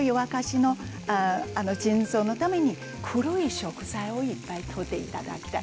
腎臓のために黒い食材をいっぱい食べていただきたい。